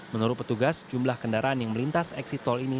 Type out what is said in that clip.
menurut petugas jumlah kendaraan yang melintas eksit tol ini